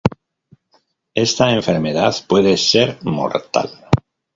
Esta enfermedad puede ser mortal.